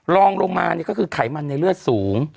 ลองลงมาเนี่ยก็คือไขมันในเลือดสูง